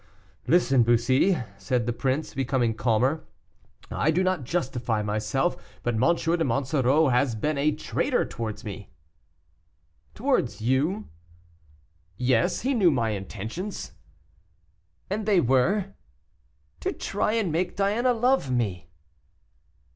"Listen, Bussy," said the prince, becoming calmer, "I do not justify myself, but M. de Monsoreau has been a traitor towards me." "Towards you?" "Yes, he knew my intentions." "And they were?" "To try and make Diana love me."